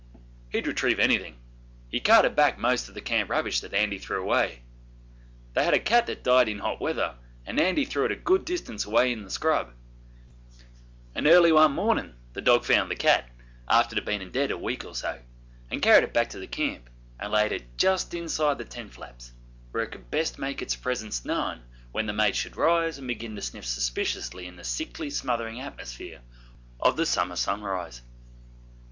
He'd retrieve anything: he carted back most of the camp rubbish that Andy threw away. They had a cat that died in hot weather, and Andy threw it a good distance away in the scrub; and early one morning the dog found the cat, after it had been dead a week or so, and carried it back to camp, and laid it just inside the tent flaps, where it could best make its presence known when the mates should rise and begin to sniff suspiciously in the sickly smothering atmosphere of the summer sunrise.